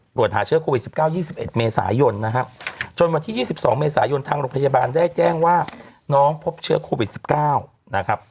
ตรวจหาเชื้อโควิด๑๙๒๑เมษายนนะครับจนวันที่๒๒เมษายนทางโรงพยาบาลได้แจ้งว่าน้องพบเชื้อโควิด๑๙นะครับ